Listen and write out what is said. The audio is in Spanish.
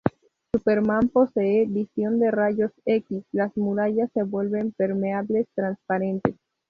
Superman posee visión de rayos-x: las murallas se vuelven permeables, transparentes.